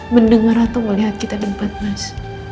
mendengar atau melihat kita di tempat mas